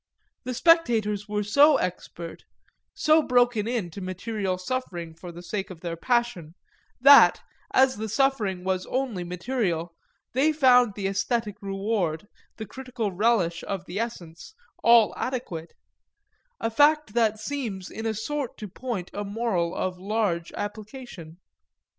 The spectators were so expert, so broken in to material suffering for the sake of their passion, that, as the suffering was only material, they found the æsthetic reward, the critical relish of the essence, all adequate; a fact that seems in a sort to point a moral of large application.